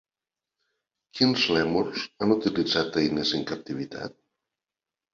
Quins lèmurs han utilitzat eines en captivitat?